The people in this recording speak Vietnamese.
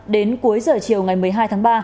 đến cuối giờ chiều ngày một mươi hai tháng ba